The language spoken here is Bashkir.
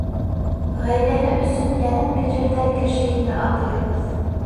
Ғаиләһе өсөн йәнен бирерҙәй кеше ине атайыбыҙ.